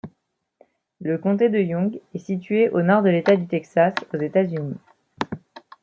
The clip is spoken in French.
Le comté de Young est situé au nord de l'État du Texas, aux États-Unis.